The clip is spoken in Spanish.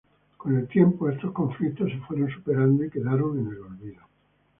Con el tiempo estos conflictos se fueron superando y quedaron en el olvido.